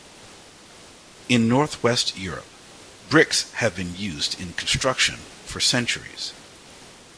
In Northwest Europe, bricks have been used in construction for centuries.